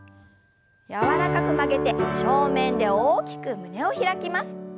柔らかく曲げて正面で大きく胸を開きます。